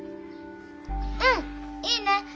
うんいいね。